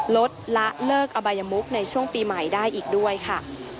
ลดละเลิกอบายมุกในช่วงปีใหม่ได้อีกด้วยค่ะ